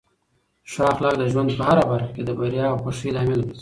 ښه اخلاق د ژوند په هره برخه کې د بریا او خوښۍ لامل ګرځي.